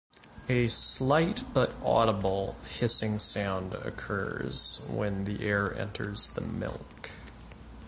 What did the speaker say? A slight but audible hissing sound occurs when the air enters the milk.